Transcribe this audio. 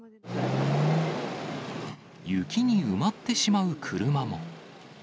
雪に埋まってしまう車も。